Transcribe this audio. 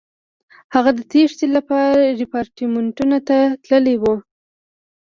هغه د تېښتې لپاره ریپارټیمنټو ته تللی وای.